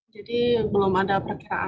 jadi belum ada perakiraan